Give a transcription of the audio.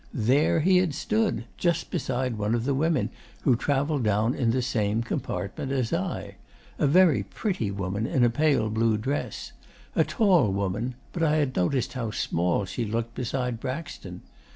There he had stood, just beside one of the women who travelled down in the same compartment as I; a very pretty woman in a pale blue dress; a tall woman but I had noticed how small she looked beside Braxton.